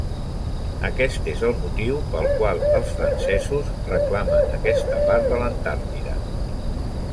Aquest és el motiu pel qual els francesos reclamen aquesta part de l'Antàrtida.